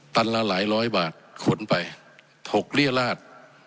ละหลายร้อยบาทขนไปถกเรียราช